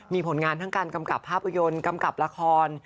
มีผลงานทั้งการกำกับภาพยนตร์กำกับละคร